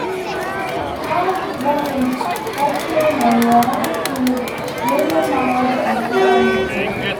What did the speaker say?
Miles was born in Baltimore, Maryland to William Miles and Sarah Mickle.